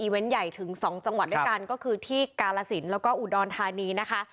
เว้นใหญ่ถึง๒จังหวัดด้วยกันก็คือที่กาลสินแล้วก็อุดรธานีนะคะ